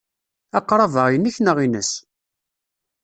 Aqrab-a inek neɣ ines?